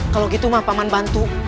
kalau gitu mah paman bantu